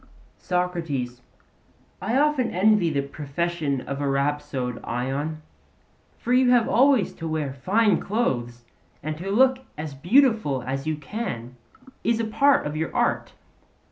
SOCRATES: I often envy the profession of a rhapsode, Ion; for you have always to wear fine clothes, and to look as beautiful as you can is a part of your art.